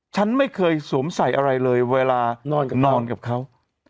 ฉันไม่เคยสวมใส่อะไรเลยเวลานอนกับเขา